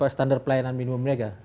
standar pelayanan minimum mereka